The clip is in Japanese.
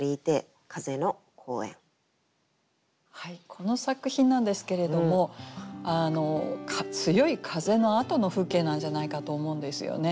この作品なんですけれども強い風のあとの風景なんじゃないかと思うんですよね。